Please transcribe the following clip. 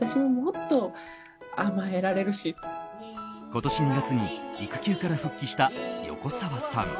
今年２月に育休から復帰した横澤さん。